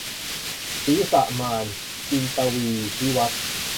ศีรษะมาร - จินตวีร์ วิวัธน์